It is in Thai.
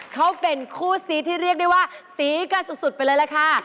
เขาเป็นคู่ซีที่เรียกได้ว่าสีกันสุดไปเลยล่ะค่ะ